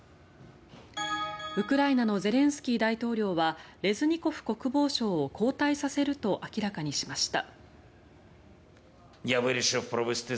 ウクライナのゼレンスキー大統領はレズニコフ国防相を交代させると明らかにしました。